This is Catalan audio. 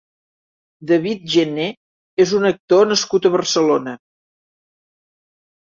David Jenner és un actor nascut a Barcelona.